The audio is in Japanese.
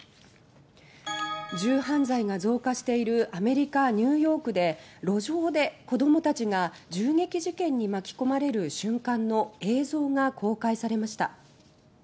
銃犯罪が増加しているアメリカ・ニューヨークで路上で子どもたちが銃撃事件に巻き込まれる瞬間の映像が公開されました。